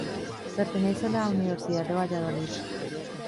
Pertenece a la Universidad de Valladolid.